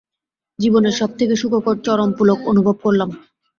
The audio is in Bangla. জীবনের সবথেকে সুখকর চরমপুলক অনুভব করলাম।